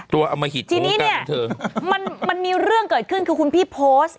เอามาหิตทีนี้เนี่ยมันมีเรื่องเกิดขึ้นคือคุณพี่โพสต์